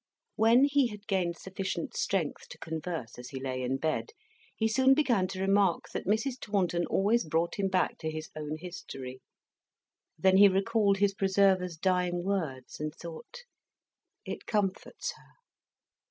When he had gained sufficient strength to converse as he lay in bed, he soon began to remark that Mrs. Taunton always brought him back to his own history. Then he recalled his preserver's dying words, and thought, "It comforts her."